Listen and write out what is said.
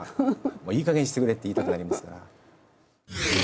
もういいかげんにしてくれって言いたくなりますから。